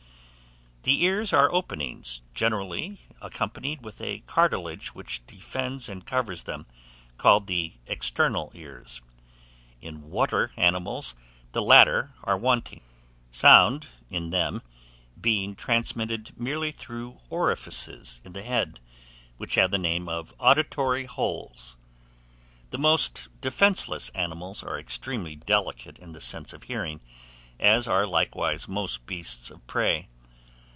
The ears are openings, generally accompanied with a cartilage which defends and covers them, called the external ears. In water animals the latter are wanting; sound, in them, being transmitted merely through orifices in the head, which have the name of auditory holes. The most defenceless animals are extremely delicate in the sense of hearing, as are likewise most beasts of prey.